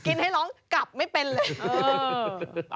กินให้ร้องกราบไม่เป็นเลย